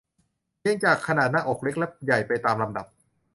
เรียงจากขนาดหน้าอกเล็กและใหญ่ไปตามลำดับ